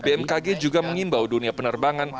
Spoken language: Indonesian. bmkg juga mengimbau dunia penerbangan